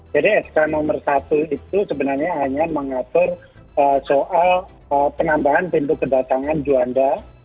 jadi sk nomor satu itu sebenarnya hanya mengatur soal penambahan pintu kedatangan juanda